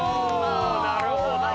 なるほど。